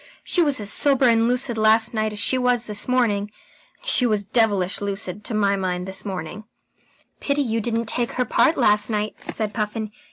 She was as sober and lucid last night as she was this morning. And she was devilish lucid, to my mind, this morning." "Pity you didn't take her part last night," said Puffin.